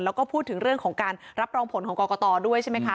แล้วก็พูดถึงเรื่องของการรับรองผลของกรกตด้วยใช่ไหมคะ